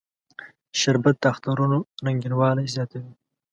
شربت د اخترونو رنگینوالی زیاتوي